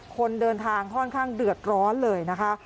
คนเดินทางค่อนข้างเดือดร้อนเลยนะคะ